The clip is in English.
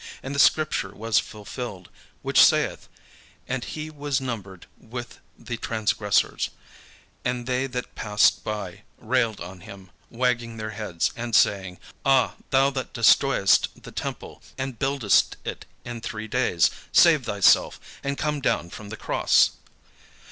And the scripture was fulfilled, which saith, "And he was numbered with the transgressors." And they that passed by railed on him, wagging their heads, and saying: "Ah, thou that destroyest the temple, and buildest it in three days, save thyself, and come down from the cross."